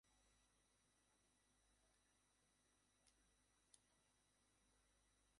এরপর সন্ধ্যা ছয়টার দিকে তাঁদের জয়পুরহাট জেলা আধুনিক হাসপাতালে নেওয়া হয়।